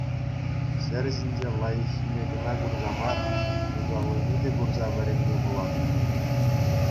Ҫӗр ҫинче лайӑххнне кӑна курса мар, усаллине те курса вӗренме пулать.